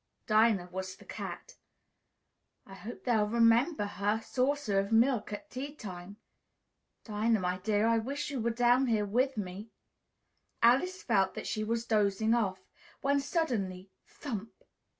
(Dinah was the cat.) "I hope they'll remember her saucer of milk at tea time. Dinah, my dear, I wish you were down here with me!" Alice felt that she was dozing off, when suddenly, thump!